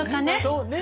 そうね。